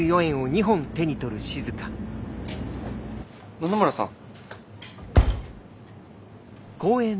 野々村さん。